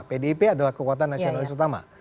pdip adalah kekuatan nasionalis utama